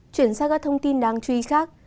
chuyển sang các thông tin đáng truy khác